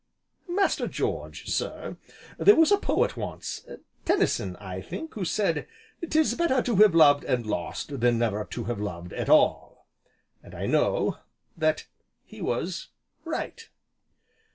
"Master George, sir, there was a poet once Tennyson, I think, who said, 'Tis better to have loved and lost than never to have loved at all,' and I know that he was right.